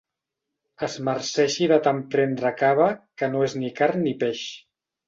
Es marceixi de tant prendre cava que no és ni carn ni peix.